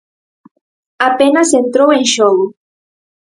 Apenas entrou en xogo.